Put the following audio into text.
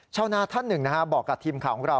ชาวนาท่านหนึ่งบอกกับทีมข่าวของเรา